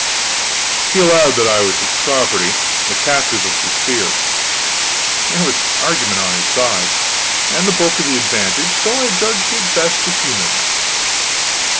He allowed that I was his property, the captive of his spear. There was argument on his side and the bulk of the advantage so I judged it best to humor him.